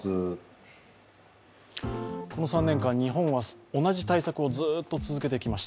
この３年間、日本は同じ対策をずっと続けてきました。